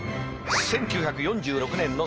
１９４６年の設立。